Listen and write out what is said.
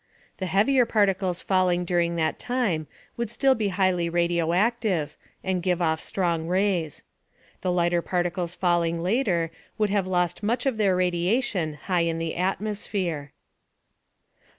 The heavier particles falling during that time would still be highly radioactive and give off strong rays. The lighter particles falling later would have lost much of their radiation high in the atmosphere.